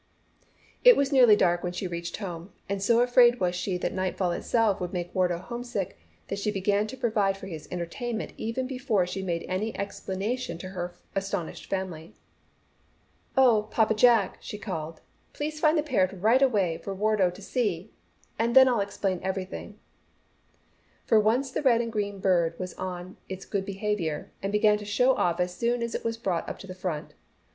It was nearly dark when she reached home, and so afraid was she that the nightfall itself would make Wardo homesick, that she began to provide for his entertainment even before she made any explanation to her astonished family. [Illustration: "FOR ONCE THE RED AND GREEN BIRD WAS ON ITS GOOD BEHAVIOUR."] "Oh, Papa Jack," she called. "Please find the parrot right away for Wardo to see, then I'll explain everything." For once the red and green bird was on its good behaviour, and began to show off as soon as it was brought to the front.